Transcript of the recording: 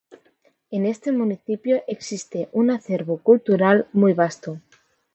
En este municipio existe un acervo cultural muy vasto.